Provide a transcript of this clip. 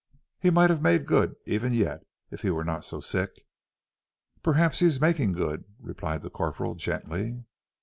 "He might have made good, even yet, if he were not so sick." "Perhaps he is making good," replied the corporal gently.